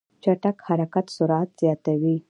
چټک حرکت سرعت زیاتوي.